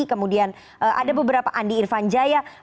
kemudian ada beberapa andi irfan jaya